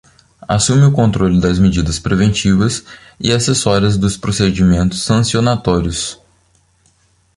Assume o controle das medidas preventivas e acessórias dos procedimentos sancionatórios.